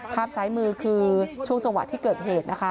ภาพซ้ายมือคือช่วงจังหวะที่เกิดเหตุนะคะ